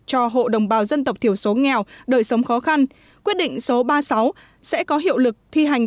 cho hộ đồng bào dân tộc thiểu số nghèo đời sống khó khăn quyết định số ba mươi sáu sẽ có hiệu lực thi hành